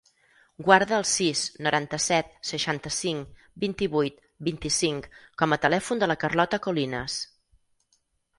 Guarda el sis, noranta-set, seixanta-cinc, vint-i-vuit, vint-i-cinc com a telèfon de la Carlota Colinas.